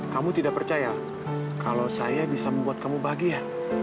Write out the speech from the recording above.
kamu tidak percaya kalau saya bisa membuat kamu bahagia